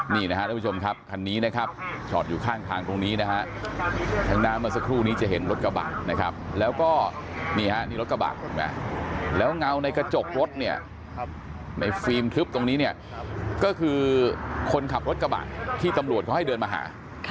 นี่นะครับทุกผู้ชมครับคันนี้นะครับจอดอยู่ข้างทางตรงนี้นะฮะข้างหน้าเมื่อสักครู่นี้จะเห็นรถกระบะนะครับแล้วก็นี่ฮะนี่รถกระบะเห็นไหมแล้วเงาในกระจกรถเนี่ยในฟิล์มทึบตรงนี้เนี่ยก็คือคนขับรถกระบะที่ตำรวจเขาให้เดินมาหา